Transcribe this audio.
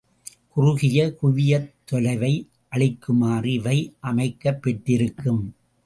குறுகிய குவியத் தொலைவை அளிக்குமாறு இவை அமைக்கப் பெற்றிருக்கும்.